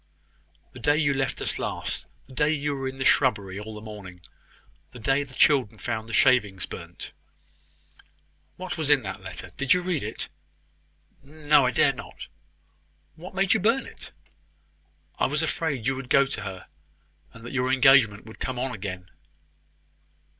"The day you left us last the day you were in the shrubbery all the morning the day the children found the shavings burnt." "What was in the letter? Did you read it?" "No; I dared not." "What made you burn it?" "I was afraid you would go to her, and that your engagement would come on again."